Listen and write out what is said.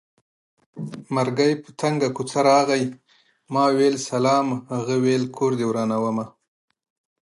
مرګی په تنګه کوڅه راغی ما وېل سلام هغه وېل کور دې ورانومه